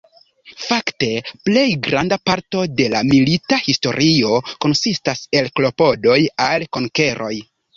Fakte plej granda parto de la Milita historio konsistas el klopodoj al konkeroj.